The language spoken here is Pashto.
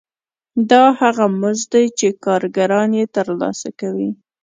دا هغه مزد دی چې کارګران یې ترلاسه کوي